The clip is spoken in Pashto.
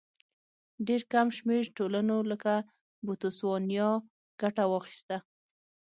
ډېر کم شمېر ټولنو لکه بوتسوانیا ګټه واخیسته.